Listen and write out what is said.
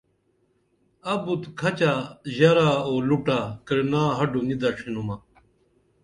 اُبُت کھچہ ژرہ اُو لُٹہ کرِنا ہڈو نی دڇِھنُمہ